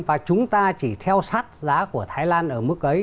và chúng ta chỉ theo sát giá của thái lan ở mức ấy